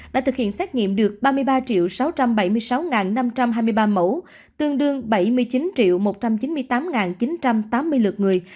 đã thực hiện xét nghiệm được ba mươi ba sáu trăm bảy mươi sáu năm trăm hai mươi ba mẫu tương đương bảy mươi chín một trăm chín mươi tám chín trăm tám mươi lượt người